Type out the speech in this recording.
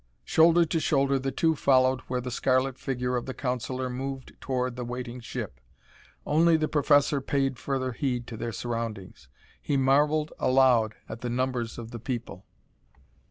Shoulder to shoulder, the two followed where the scarlet figure of the councilor moved toward the waiting ship. Only the professor paid further heed to their surroundings; he marveled aloud at the numbers of the people.